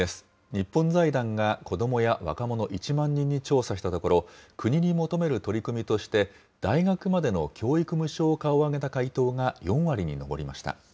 日本財団が子どもや若者１万人に調査したところ、国に求める取り組みとして、大学までの教育無償化を挙げた回答が４割に上りました。